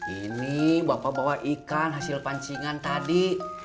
ini bapak bawa ikan hasil pancingan tadi